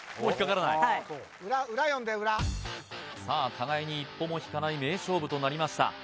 はい裏裏読んで裏さあ互いに一歩も引かない名勝負となりました